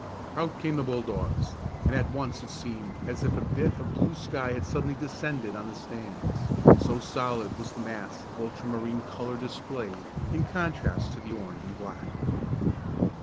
Out came the bulldogs, and at once it seemed as if a bit of blue sky had suddenly descended on the stands, so solid was the mass of ultramarine color displayed, in contrast to the orange and black.